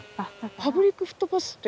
パブリック・フットパスって？